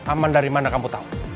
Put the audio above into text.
aman dari mana kamu tahu